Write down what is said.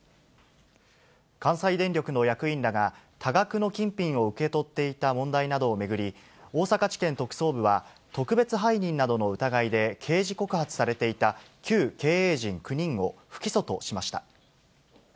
関西電力の役員らが、多額の金品を受け取っていた問題などを巡り、大阪地検特捜部は、特別背任などの疑いで刑事告発されていた旧経営陣９人を不起訴としました。